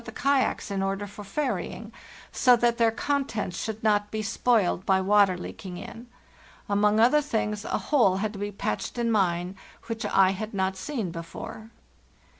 e) io®) kayaks in order for ferrying, so that their contents should not be spoiled by water leaking in. Among other things, a hole had to be patched in mine, which I had not seen before.